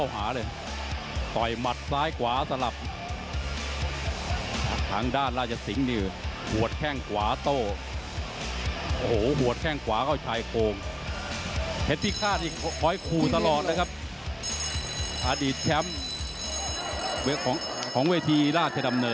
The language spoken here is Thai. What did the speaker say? โหใต่ขวาตอยขวาเกี่ยวร่างลดทางยืน